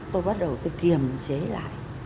tôi bắt đầu tôi kiềm chế lại